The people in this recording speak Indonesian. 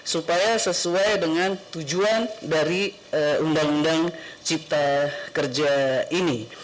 supaya sesuai dengan tujuan dari undang undang cipta kerja ini